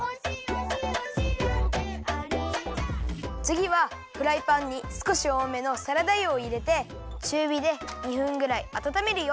つぎはフライパンにすこしおおめのサラダ油をいれてちゅうびで２分ぐらいあたためるよ。